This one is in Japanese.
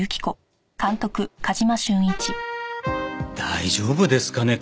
大丈夫ですかね？